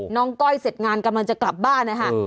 ก้อยเสร็จงานกำลังจะกลับบ้านนะคะ